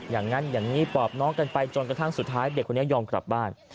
อย่างนั้นอย่างนี้ปอบน้องกันไปจนกระทั่งสุดท้ายเด็กคนนี้ยอมกลับบ้าน